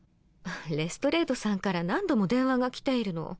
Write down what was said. レストレードさんから何度も電話が来ているの。